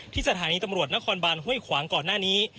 สถานีตำรวจนครบานห้วยขวางก่อนหน้านี้